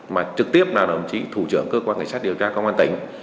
mà trực tiếp là đồng chí thủ trưởng cơ quan cảnh sát điều tra công an tỉnh